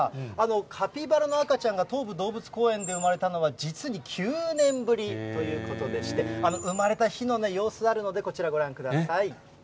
カピバラの赤ちゃんが東武動物公園で生まれたのは実に９年ぶりということでして、生まれた日の様子があるので、こちらご覧ください。